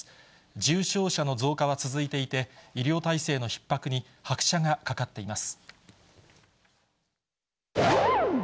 重症者の増加は続いていて、医療体制のひっ迫に拍車がかかっています。